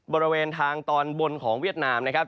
บริเวณทางตอนบนของเวียดนามนะครับ